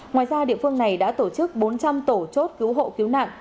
ngoài ra địa phương này đã tổ chức bốn trăm linh tổ chốt cứu hộ cứu nạn